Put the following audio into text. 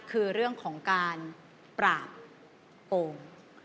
คือเรื่องของการปราบโกง